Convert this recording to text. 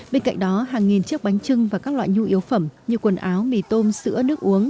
bên cạnh đó hàng nghìn chiếc bánh trưng và các loại nhu yếu phẩm như quần áo mì tôm sữa nước uống